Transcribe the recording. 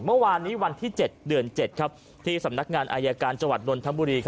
เมื่อวานวันที่เดือน๗ที่สำนักงานอายการจโอนถ้ามบูรี